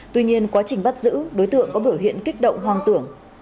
tuy nhiên quá trình bắt giữ đối tượng có biểu hiện kích động hoang tưởng